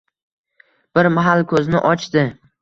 Bir mahal ko‘zini ochdi